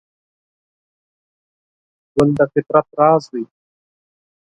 ګل د فطرت راز دی.